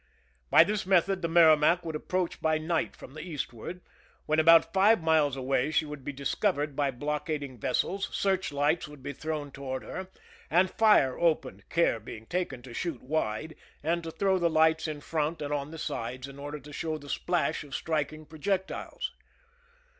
By this metliod the Merrimac would approach by night from the eastward ; when about five miles away she would be discovered by block ading vessels, search lights would be thrown toward her, and fire opened, care being taken to shoot wide and to throw the lights in front and on the sides, in order to show the splash of striking projectiles.